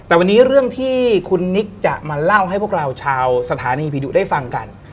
แต่วันนี้เรื่องที่คุณนิกจะมาเล่าให้พวกเราชาวสถานีผีดุได้ฟังกัน